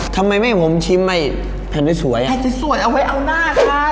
ทำไมไม่ให้ผมชิมให้แผนด้วยสวยอ่ะแผนด้วยสวยเอาไว้เอาหน้าค่ะ